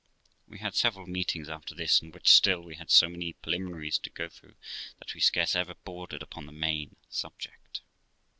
We had several meetings after this, in which still we had so many preliminaries to go through that we scarce ever bordered upon the main subject.